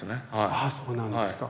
ああそうなんですか。